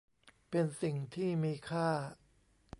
เป็นสิ่งที่มีค่า